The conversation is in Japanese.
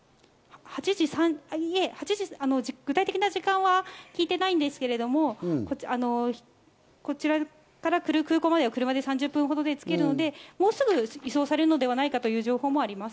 具体的な時間は聞いていないんですけれども、こちらからくる空港までは３０分程で着けるので、もうすぐ移送されるのではないかという情報もあります。